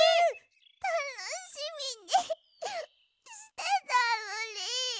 たのしみにしてたのに。